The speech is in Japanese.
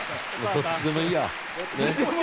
どっちでもいいや？